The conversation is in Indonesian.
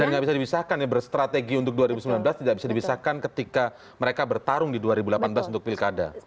dan nggak bisa dibisahkan ya berstrategi untuk dua ribu sembilan belas tidak bisa dibisahkan ketika mereka bertarung di dua ribu delapan belas untuk pilkada